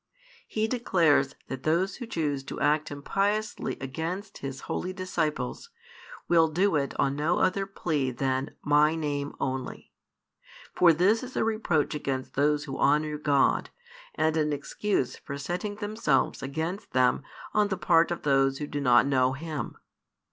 He declares that those who choose to act impiously against His holy disciples will do it on no other plea than "My Name" only. For this is a reproach against those who honour God, and an excuse for setting themselves against them on the part of those who do not know Him.